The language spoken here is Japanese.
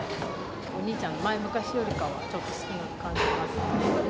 お兄ちゃん、前、昔よりかはちょっと少なく感じますね。